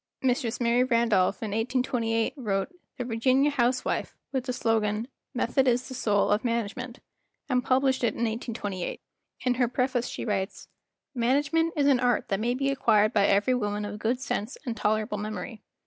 Mistress Mary Randolph, in 1828, wrote "The Virginia House¬ wife" with the slogan "Method is the soul of Management," and published it in 1828. In her preface she w T rites: "Management is an art that may be acquired by every woman of good sense and tolerable memory.